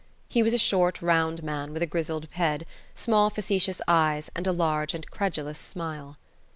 He was a short round man, with a grizzled head, small facetious eyes and a large and credulous smile.